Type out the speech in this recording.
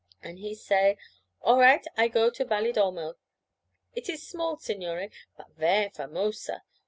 And he say, "All right, I go to Valedolmo." It is small, signore, but ver' famosa.